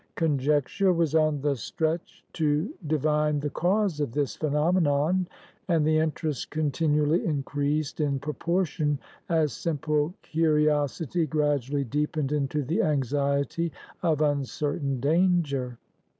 Con jecture was on the stretch to divine the cause of this phenomenon; and the interest continually increased in proportion as simple curiosity gradually deepened into the anxiety of uncertain danger.